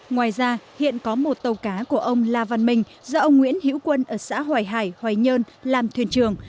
ngoài ra hiện có một tàu cá của ông la văn minh do ông nguyễn hiễu quân ở xã hoài hải hoài nhơn làm thuyền trưởng